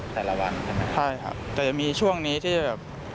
แต่ละวันใช่ไหมใช่ครับแต่จะมีช่วงนี้ที่แบบ